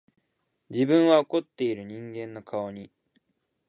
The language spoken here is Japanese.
自分は怒っている人間の顔に、